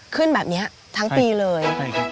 ขึ้นแบบนี้ทั้งปีเลย